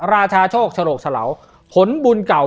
ราชาโชคฉลกฉลาผลบุญเก่า